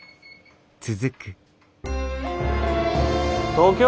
東京？